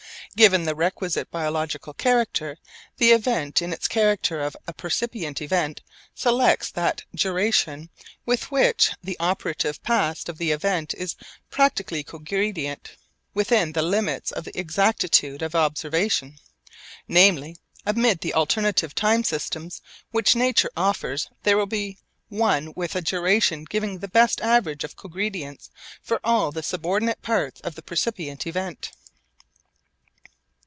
Given the requisite biological character, the event in its character of a percipient event selects that duration with which the operative past of the event is practically cogredient within the limits of the exactitude of observation. Namely, amid the alternative time systems which nature offers there will be one with a duration giving the best average of cogredience for all the subordinate parts of the percipient event.